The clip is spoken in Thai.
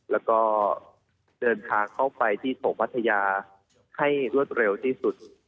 แล้วก็เดินทางเข้าไปที่โถพัทยาให้รวดเร็วที่สุด